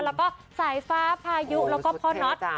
แล้วก็สายฟ้าพายุแล้วก็พ่อน็อต